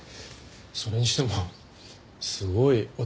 それにしてもすごいお宅ですね。